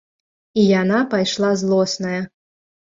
І яна пайшла злосная.